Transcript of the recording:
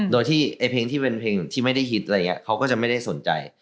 โดยที่ไอ้เพลงที่เป็นเพลงที่ไม่ได้ฮิตอะไรอย่างนี้เขาก็จะไม่ได้สนใจ